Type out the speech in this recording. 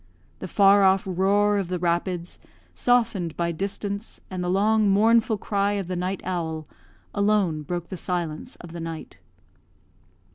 The far off roar of the rapids, softened by distance, and the long, mournful cry of the night owl, alone broke the silence of the night.